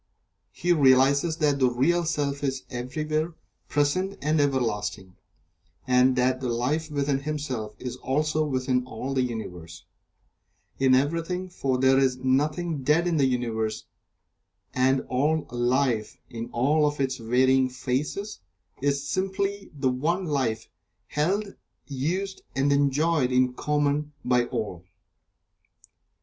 He realizes that the Real Self is everywhere present and everlasting, and that the Life within himself is also within all the Universe in everything, for there is nothing dead in the Universe, and all Life, in all of its varying phases, is simply the One Life, held, used and enjoyed in common by all.